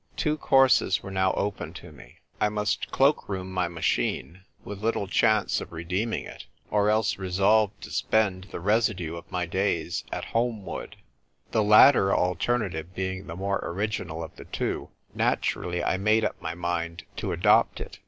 Two courses were now open to me. I must cloak room my machine — with little chance of redeeming it — or else resolve to spend the residue of my days at Holmwood. The latter alternative being the more original of the two, naturally I made up my mind to adopt it.